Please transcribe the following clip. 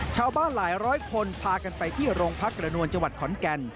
ชาวบ้านหลายร้อยคนพากันไปที่โรงพักกระนวลจังหวัดขอนแก่น